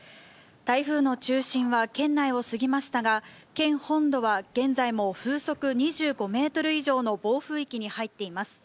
台風の中心は県内を過ぎましたが、県本土は現在も風速２５メートル以上の暴風域に入っています。